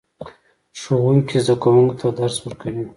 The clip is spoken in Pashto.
ښوونکی زده کوونکو ته درس ورکوي